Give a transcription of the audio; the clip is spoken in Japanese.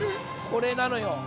これなのよ。